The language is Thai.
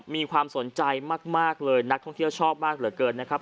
มีความสนใจมากเลยนักท่องเที่ยวชอบมากเหลือเกินนะครับ